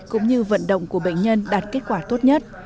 cũng như vận động của bệnh nhân đạt kết quả tốt nhất